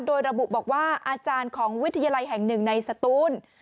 โดยระบุบอกว่าอาจารย์ของวิทยาลัยแห่งหนึ่งในสตูน